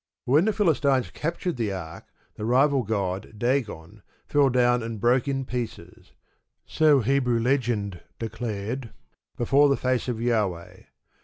But when the Philistines captured the ark, the rival god, Dagon, fell down and broke in pieces so Hebrew legend declared before the face of Jahweh.